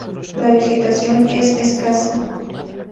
La vegetación es escasa.